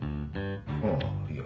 あっいや。